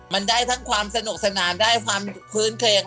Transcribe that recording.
มันได้ทั้งความสนุกสนานได้ความพื้นเครง